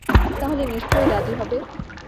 তাহলে নিশ্চয়ই রাজি হবে।